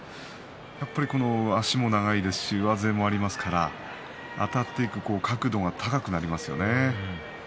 やっぱり足も長いですし上背もありますからあたっていく角度が高くなりますよね。